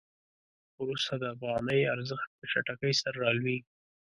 وروسته د افغانۍ ارزښت په چټکۍ سره رالویږي.